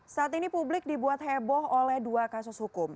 saat ini publik dibuat heboh oleh dua kasus hukum